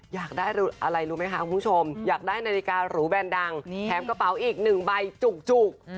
อยากได้อะไรรู้ไหมคะคุณผู้ชมอยากได้นาฬิการูแบรนด์ดังแถมกระเป๋าอีกหนึ่งใบจุก